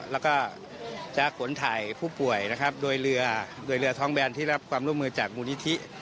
แล้วก็จะขนถ่ายผู้ป่วยนะครับโดยเรือโดยเรือท้องแบนที่รับความร่วมมือจากมูลนิธิ